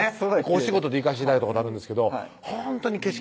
お仕事で行かせて頂いたことあるんですけどほんとに景色